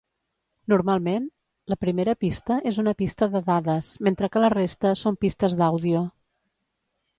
Normalment, la primera pista és una pista de dades, mentre que la resta són pistes d'àudio.